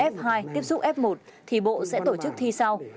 f hai tiếp xúc f một thì bộ sẽ tổ chức thi sau